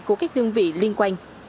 của các đơn vị liên quan